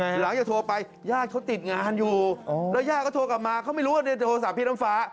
ยาสิทธิ์ยาติสัยงานอยู่แล้วยากโทคกลับมาเขาไม่รู้ตายได้โทรสาสภิตฟ้า